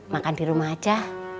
makan di rumah aja